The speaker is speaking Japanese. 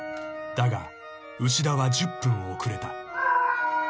［だが牛田は１０分遅れた］・［